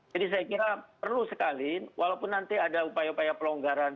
jadi saya kira perlu sekali walaupun nanti ada upaya upaya pelonggaran